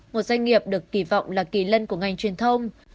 một doanh nghiệp được kỳ vọng là kỳ lân của ngành truyền thông